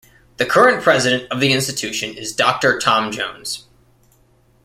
The current president of the institution is Doctor Tom Jones.